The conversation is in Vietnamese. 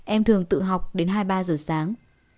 em thường tự học đến hai ba giờ sáng